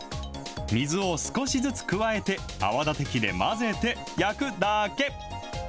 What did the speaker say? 水を少しずつ加えて、泡だて器で混ぜて焼くだけ。